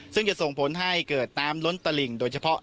ซึ่งจะส่งผลให้เกิดแขวนล้นตาริงเดียวเฉพาะ